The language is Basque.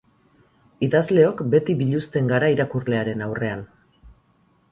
Idazleok beti biluzten gara irakurlearen aurrean.